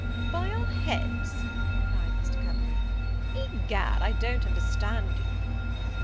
"By our heads?" cried Mr. Coverley. "Egad, I don't understand you."